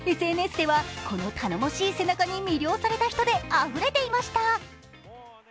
ＳＮＳではこの頼もしい背中に魅了された人であふれていました。